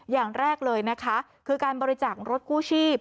อย่างแรกเลยนะคะคือการบริจาครถกู้ชีพ